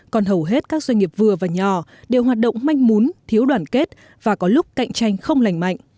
còn hầu hết các doanh nghiệp vừa và nhỏ đều hoạt động manh mún thiếu đoàn kết và có lúc cạnh tranh không lành mạnh